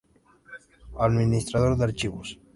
Administrador de archivos